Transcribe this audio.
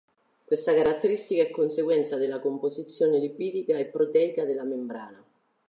Questa caratteristica è conseguenza della composizione lipidica e proteica della membrana.